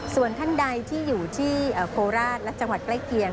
ส่วนท่านใดที่อยู่ที่โคราชและจังหวัดใกล้เคียง